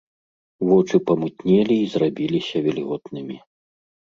Вочы памутнелі і зрабіліся вільготнымі.